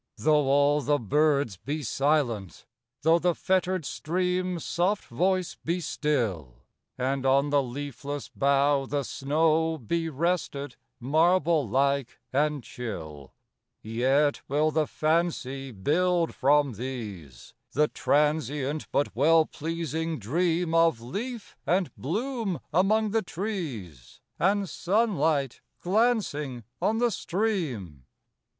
Though all the birds be silent,—thoughThe fettered stream's soft voice be still, And on the leafless bough the snowBe rested, marble like and chill,—Yet will the fancy build, from these, The transient but well pleasing dreamOf leaf and bloom among the trees, And sunlight glancing on the stream.